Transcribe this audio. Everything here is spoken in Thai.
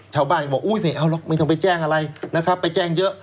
ชาวบ้านก็บอกอุ้ยไม่เอาหรอกไม่ต้องไปแจ้งอะไรนะครับไปแจ้งเยอะ